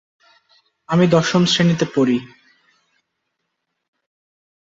ছাত্র-ছাত্রীদের খেলাধুলার জন্য একটি খেলার মাঠ রয়েছে।